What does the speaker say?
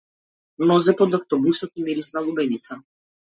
Нозе под автобусот и мирис на лубеница.